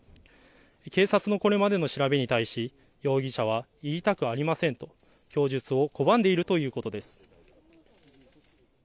警察のこれまでの調べに対し容疑者は言いたくありませんと供述を拒んでいるということです。